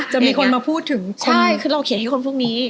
จะมีคนมาพูดถึง